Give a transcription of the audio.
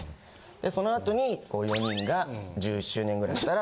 でその後にこう４人が１１周年ぐらいしたら。